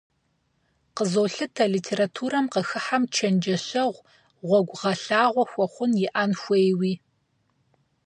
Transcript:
Къызолъытэ, литературэм къыхыхьэм чэнджэщэгъу, гъуэгугъэлъагъуэ хуэхъун иӀэн хуейуи.